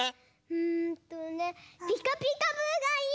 うんとね「ピカピカブ！」がいい！